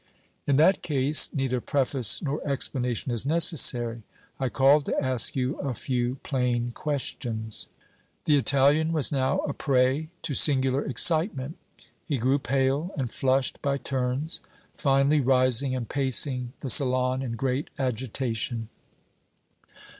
"In that case, neither preface nor explanation is necessary. I called to ask you a few plain questions." The Italian was now a prey to singular excitement; he grew pale and flushed by turns, finally rising and pacing the salon in great agitation.